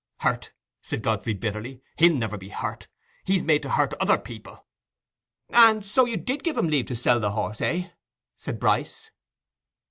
"Hurt?" said Godfrey, bitterly. "He'll never be hurt—he's made to hurt other people." "And so you did give him leave to sell the horse, eh?" said Bryce.